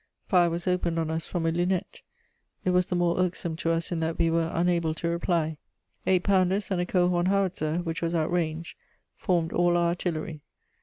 Fire was opened on us from a lunette; it was the more irksome to us in that we were unable to reply: eight pounders and a Cohorn howitzer, which was outranged, formed all our artillery.